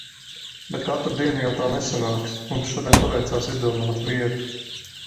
Bet katru dienu jau tā nesanāks. Mums šodien paveicās izdomāt vietu.